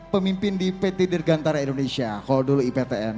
pemimpin di pt dirgantara indonesia holdil iptn